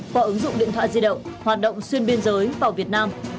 qua ứng dụng điện thoại di động hoạt động xuyên biên giới vào việt nam